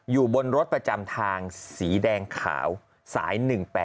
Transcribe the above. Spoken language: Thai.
อยู่บนรถประจำทางสีแดงขาวสาย๑๘๘